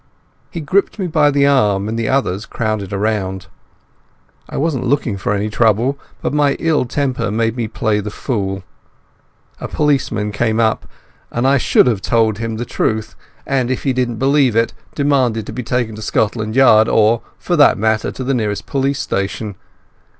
He gripped me by the arm, and the others crowded round. I wasn't looking for any trouble, but my ill temper made me play the fool. A policeman came up, and I should have told him the truth, and, if he didn't believe it, demanded to be taken to Scotland Yard, or for that matter to the nearest police station.